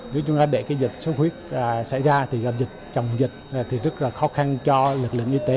nếu chúng ta để dịch sốt huyết xảy ra dịch chồng dịch rất khó khăn cho lực lượng y tế